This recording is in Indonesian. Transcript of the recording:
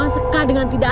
aku akan menganggap